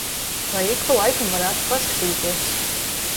Lai ik pa laikam varētu paskatīties.